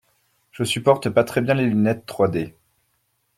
Je supporte pas très bien les lunettes trois D.